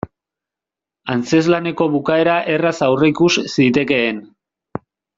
Antzezlaneko bukaera erraz aurreikus zitekeen.